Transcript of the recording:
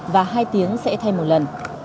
và hai tiếng sẽ thay một lần